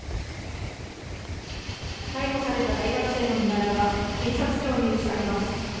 逮捕された大学生の身柄が、検察庁に移されます。